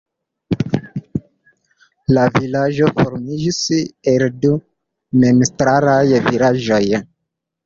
La vilaĝo formiĝis el du memstaraj vilaĝoj.